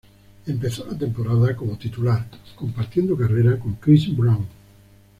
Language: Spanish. Empezó la temporada como titular, compartiendo carreras con Chris Brown.